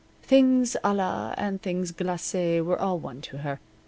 Things a la and things glace were all one to her.